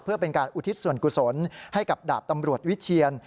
เพื่อเป็นการอุทิศส่วนกุศลให้กับดาบตำรวจวิเชียน